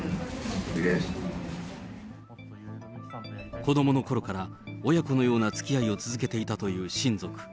子どものころから親子のようなつきあいを続けていたという親族。